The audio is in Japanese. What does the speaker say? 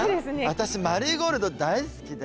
私マリーゴールド大好きで。